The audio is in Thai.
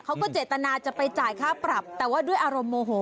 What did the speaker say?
เขาก็เจตนาจะไปจ่ายค่าปรับแต่ว่าด้วยอารมณ์โมโห